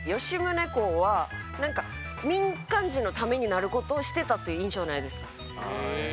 吉宗公はなんか民間人のためになることをしてたっていう印象ないですか。